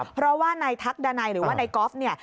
เพราะว่านายทักดันัยหรือว่านายกอล์ฟเนี่ย